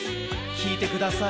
きいてください。